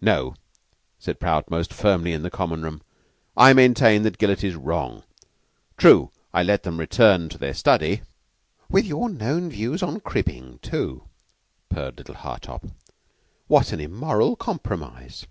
"No," said Prout most firmly in Common room. "I maintain that Gillett is wrong. True, I let them return to their study." "With your known views on cribbing, too?" purred little Hartopp. "What an immoral compromise!"